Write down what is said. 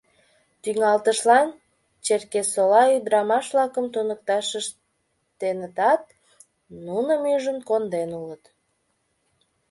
Тӱҥалтышлан Черкесола ӱдырамаш-влакым туныкташ ыштенытат, нуным ӱжын конден улыт.